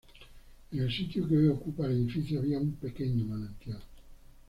En el sitio que hoy ocupa el edificio había un pequeño manantial.